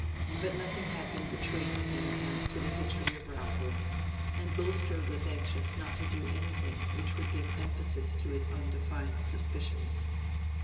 But nothing had been betrayed to him as to the history of Raffles, and Bulstrode was anxious not to do anything which would give emphasis to his undefined suspicions.